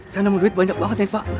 saya nemu duit banyak banget ya pak